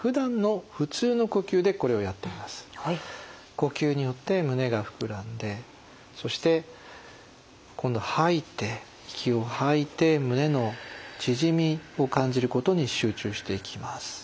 呼吸によって胸がふくらんでそして今度吐いて息を吐いて胸の縮みを感じることに集中していきます。